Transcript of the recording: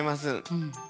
うん。